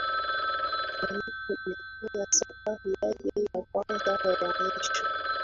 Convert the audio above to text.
titanic ilifanya safari yake ya kwanza na ya mwisho